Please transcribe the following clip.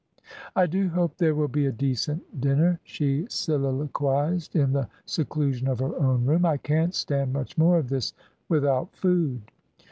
"I do hope there will be a decent dinner," she soliloquised, in the seclusion of her own room. "I can't stand much more of this without food."